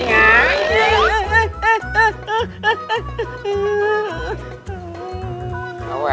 sekarang harus pergi